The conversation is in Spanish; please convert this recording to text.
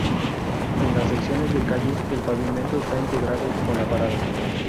En las secciones de calle, el pavimento está integrado con la parada.